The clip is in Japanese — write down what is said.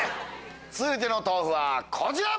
続いての豆腐はこちら！